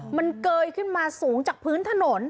มันเกยขึ้นมาสูงจากพื้นถนน